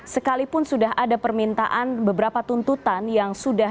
sekalipun sudah ada permintaan beberapa tuntutan yang sudah